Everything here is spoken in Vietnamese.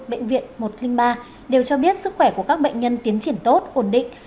bệnh viện một trăm linh ba đều cho biết sức khỏe của các bệnh nhân tiến triển tốt ổn định